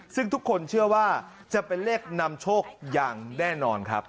ซึ่งทุกคนเชื่อว่าจะเป็นเลขนำโชคอย่างแน่นอนครับ